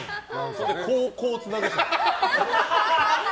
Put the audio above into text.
それで、こうつなぐよ。